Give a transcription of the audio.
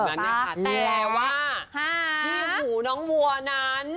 แต่ว่าที่หูน้องวัวนั้น